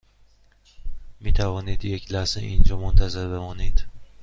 می توانید یک لحظه اینجا منتظر بمانید؟